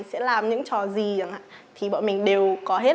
sẽ làm những trò gì thì bọn mình đều có hết